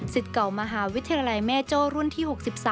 เก่ามหาวิทยาลัยแม่โจ้รุ่นที่๖๓